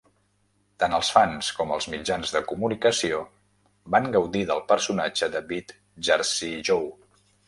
Tant els fans com els mitjans de comunicació van gaudir del personatge de Vitt "Jersey Joe".